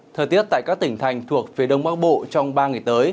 thời tiết tại các tỉnh thành thuộc phía đông bắc bộ trong ba ngày tới